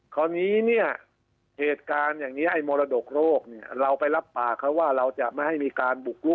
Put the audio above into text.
คราวนี้เนี่ยเหตุการณ์อย่างนี้ไอ้มรดกโรคเนี่ยเราไปรับปากเขาว่าเราจะไม่ให้มีการบุกลุก